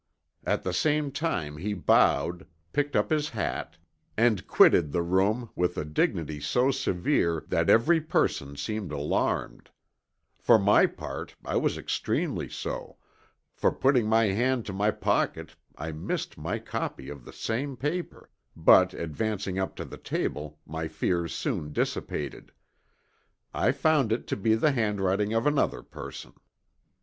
At the same time he bowed, picked up his Hat, and quitted the room with a dignity so severe that every Person seemed alarmed; for my part I was extremely so, for putting my hand to my pocket I missed my copy of the same Paper, but advancing up to the Table my fears soon dissipated; I found it to be the handwriting of another person.